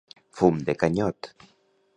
Fum de canyot.